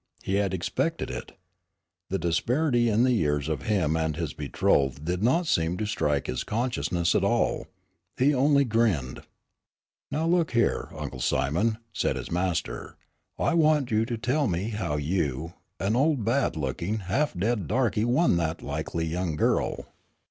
He had expected it. The disparity in the years of him and his betrothed did not seem to strike his consciousness at all. He only grinned. "Now look here, Uncle Simon," said his master, "I want you to tell me how you, an old, bad looking, half dead darky won that likely young girl."